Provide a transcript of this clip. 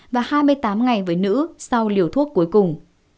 và hai mươi tám ngày với nữ sau liều thuốc cuối cùng